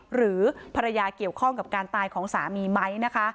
หรือภรรยาเกี่ยวข้องกับการตายของสามีไหมนะคะ